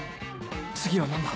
次は何だ？